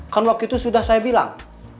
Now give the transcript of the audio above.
kan waktu itu sudah saya bilang